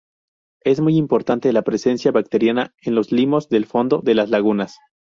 Es muy importante la presencia bacteriana en los limos del fondo de las lagunas.